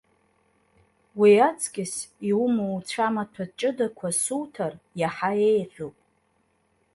Уи аҵкьыс, иумоу уцәамаҭәа ҷыдақәа суҭар иаҳа еиӷьуп.